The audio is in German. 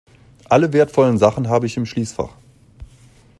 Alle wertvollen Sachen habe ich im Schließfach.